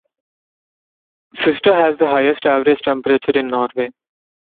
Fister has the highest average temperature in Norway.